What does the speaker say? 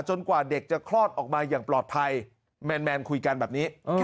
กว่าเด็กจะคลอดออกมาอย่างปลอดภัยแมนคุยกันแบบนี้